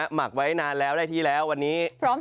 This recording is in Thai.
หมักไว้นานแล้วได้ที่แล้ววันนี้พร้อม